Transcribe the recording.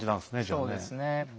そうですね。